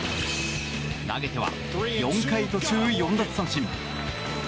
投げては４回途中４奪三振。